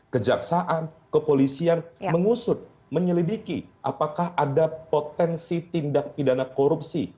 kejaksaan kepolisian mengusut menyelidiki apakah ada potensi tindak pidana korupsi